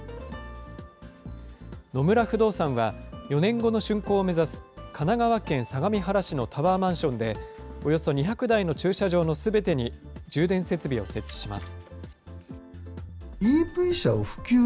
野村不動産は、４年後のしゅんこうを目指す、神奈川県相模原市のタワーマンションで、およそ２００台の駐車場のすべてに充電設備を設置します。